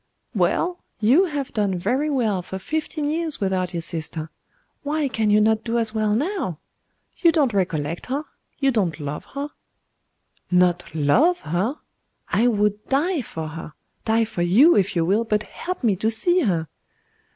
'Well? You have done very well for fifteen years without your sister why can you not do as well now? You don't recollect her you don't love her.' 'Not love her? I would die for her die for you if you will but help me to see her!